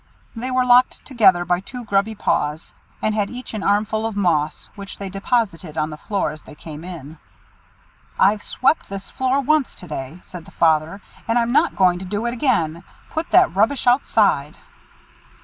They were locked together by two grubby paws, and had each an armful of moss, which they deposited on the floor as they came in. "I've swept this floor once to day," said the father, "and I'm not going to do it again. Put that rubbish outside."